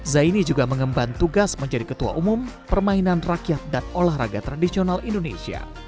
zaini juga mengemban tugas menjadi ketua umum permainan rakyat dan olahraga tradisional indonesia